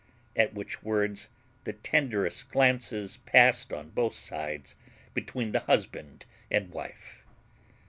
(At which words the tenderest glances passed on both sides between the husband and wife.)